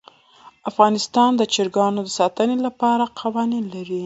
افغانستان د چرګانو د ساتنې لپاره قوانین لري.